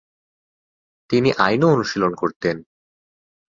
তিনি আইনও অনুশীলন করতেন।